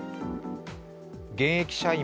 現役社員